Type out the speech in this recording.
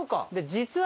「実は」